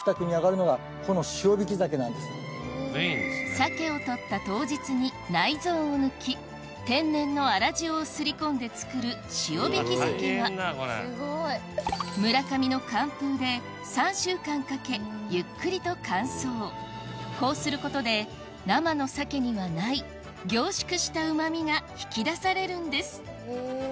鮭を取った当日に内臓を抜き天然の粗塩を擦り込んで作る塩引き鮭は村上の寒風で３週間かけゆっくりと乾燥こうすることで生の鮭にはない凝縮したうまみが引き出されるんです